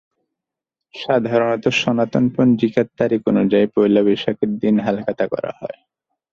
সাধারণত সনাতন পঞ্জিকার তারিখ অনুযায়ী পয়লা বৈশাখের দিন হালখাতা করা হয়।